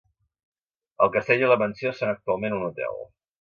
El castell i la mansió són actualment un hotel.